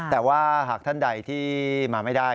แต่ว่าหากท่านใดที่มาไม่ได้